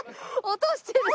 落としてる。